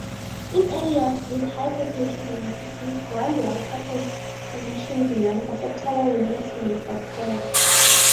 In areas with high population density, groundwater pollution beyond acceptable limits may occur.